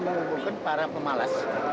ada orang yang menghubungkan para pemalas